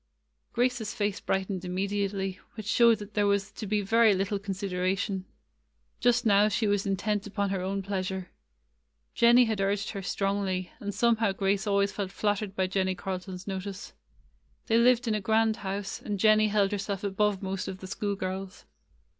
Grace's face brightened immediately, which showed that there was to be very little consid eration. Just now she was intent upon her own pleasure. Jennie had urged her strongly, and somehow Grace always felt flattered by Jennie Carlton's notice. They lived in a grand house, and Jennie held herself above most of the school girls.